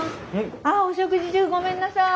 あっお食事中ごめんなさい。